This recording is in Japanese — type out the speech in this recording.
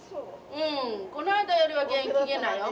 うんこの間よりは元気げなよ。